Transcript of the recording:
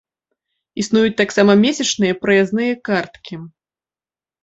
Існуюць таксама месячныя праязныя карткі.